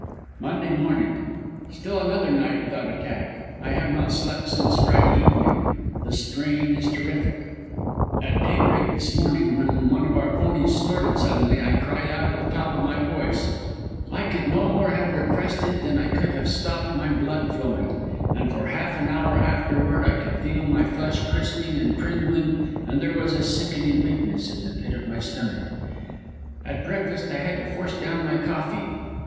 "Monday morning. Still another night without attack. I have not slept since Friday evening. The strain is terrific. At daybreak this morning, when one of our ponies snorted suddenly, I cried out at the top of my voice. I could no more have repressed it than I could have stopped my blood flowing; and for half an hour afterward I could feel my flesh crisping and pringling, and there was a sickening weakness at the pit of my stomach. At breakfast I had to force down my coffee.